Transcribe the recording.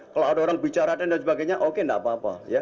kalau ada orang bicara dan sebagainya oke tidak apa apa